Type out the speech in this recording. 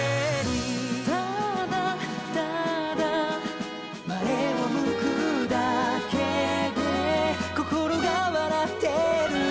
「ただ、ただ」「前を向くだけで心が笑ってる」